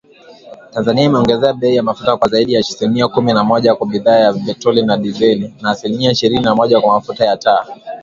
Tanzania imeongeza bei ya mafuta kwa zaidi ya asilimia kumi na moja kwa bidhaa ya petroli na dizeli, na asilimia ishirini na moja kwa mafuta ya taa